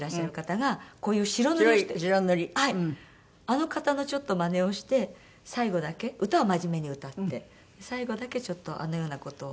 あの方のちょっとまねをして最後だけ歌は真面目に歌って最後だけちょっとあのような事を。